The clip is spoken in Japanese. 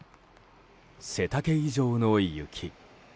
背丈以上の雪。